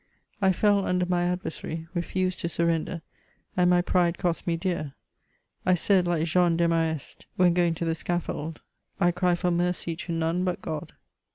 I fell under my adversary, refused to surrender, and my pride cost me dear. I said Uke Jean Desmarest when going to the scaffold :" I cry for mercy to none hut God."